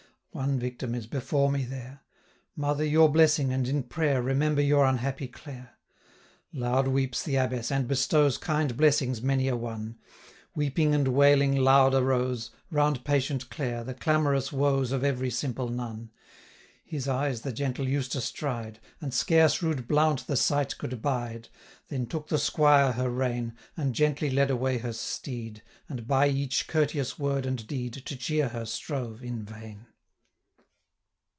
One victim is before me there. Mother, your blessing, and in prayer Remember your unhappy Clare!' Loud weeps the Abbess, and bestows 960 Kind blessings many a one: Weeping and wailing loud arose, Round patient Clare, the clamorous woes Of every simple nun. His eyes the gentle Eustace dried, 965 And scarce rude Blount the sight could bide. Then took the squire her rein, And gently led away her steed, And, by each courteous word and deed, To cheer her strove in vain.